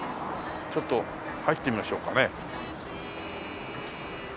ちょっと入ってみましょうかね。